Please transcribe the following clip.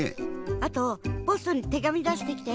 あとポストにてがみだしてきて。